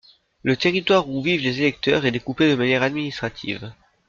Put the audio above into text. Le territoire où vivent les électeurs est découpé de manière administrative.